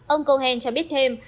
ông cohen cho biết thêm